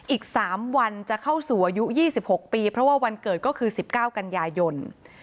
อีก๓วันจะเข้าสู่อายุ๒๖ปีเพราะว่าวันเกิดก็คือ๑๙กันยายน